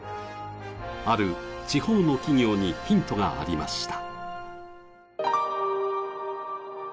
ある地方の企業にヒントがありました。